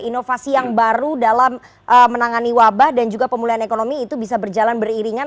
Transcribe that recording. inovasi yang baru dalam menangani wabah dan juga pemulihan ekonomi itu bisa berjalan beriringan